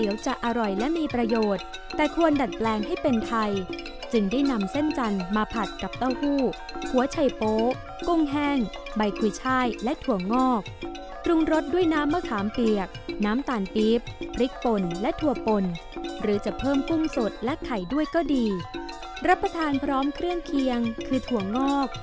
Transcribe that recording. สายจะอร่อยและมีประโยชน์แต่ควรดัดแปลงให้เป็นไทยจึงได้นำเส้นจันทร์มาผัดกับเต้าหู้ขัวไฉโป๊กุ้งแห้งใบกรูช่ายและถั่วงอกตรงรสด้วยน้ำมะคามเปียกน้ำตาลปิ๊บกริกพลและถั่วพนหรือจะเพิ่มกุ้งสดและไข่ด้วยก็ดีรับประทาน